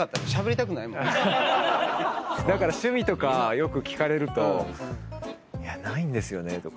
だから趣味とかよく聞かれると「ないんですよね」とか。